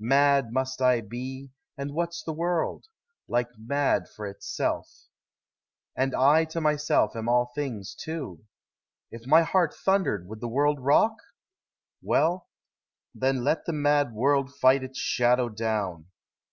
Mad must 1 be, and what 's the world? Like mad For itself. And I to myself am all things, too. If my heart thundered would the world rock? Well, Then let the mad world fight its shadow down.